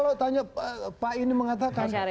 kalau tanya pak ini mengatakan